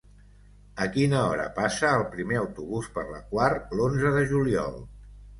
A quina hora passa el primer autobús per la Quar l'onze de juliol?